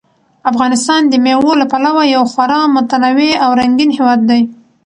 افغانستان د مېوو له پلوه یو خورا متنوع او رنګین هېواد دی.